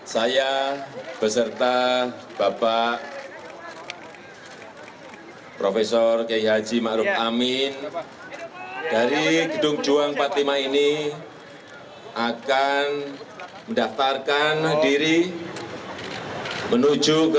saya beserta bapak profesor k haji ma'ruf amin dari gedung juang empat puluh lima ini akan mendaftarkan diri menuju ke kpu